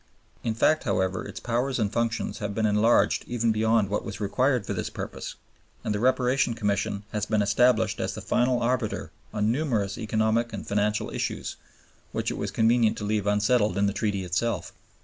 In fact, however, its powers and functions have been enlarged even beyond what was required for this purpose, and the Reparation Commission has been established as the final arbiter on numerous economic and financial issues which it was convenient to leave unsettled in the Treaty itself.